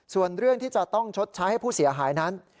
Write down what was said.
ส่วนเรื่องที่จะต้องชดใช้ให้ผู้เสียหายนั้น